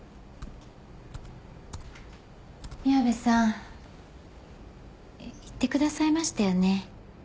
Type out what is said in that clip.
宮部さん言ってくださいましたよね